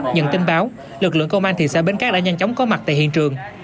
nhận tin báo lực lượng công an thị xã bến cát đã nhanh chóng có mặt tại hiện trường